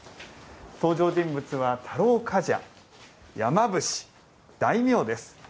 登場人物は太郎冠者山伏、大名です。